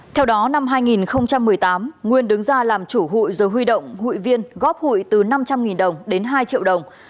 theo đó năm hai nghìn một mươi tám nguyên đứng ra làm chủ hụi rồi huy động hụi viên góp hụi từ năm trăm linh đồng đến hai triệu đồng